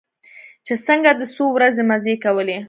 چې څنگه دې څو ورځې مزې کولې.